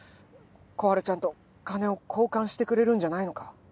心春ちゃんと金を交換してくれるんじゃないのか？